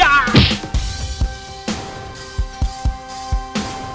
ya ampun ya ampun